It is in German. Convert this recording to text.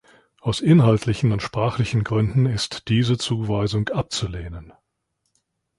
Aus inhaltlichen und sprachlichen Gründen ist diese Zuweisung abzulehnen.